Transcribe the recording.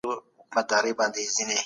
د بوري تولید په هغه سخت وخت کي هم روان و.